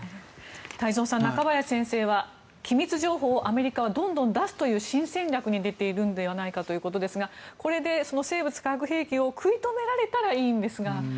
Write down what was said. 太蔵さん、中林先生は機密情報をアメリカはどんどん出すという新戦略に出ているのではないかということですがこれで生物・化学兵器を食い止められたらいいんですが。